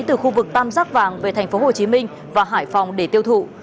từ khu vực tam giác vàng về thành phố hồ chí minh và hải phòng để tiêu thụ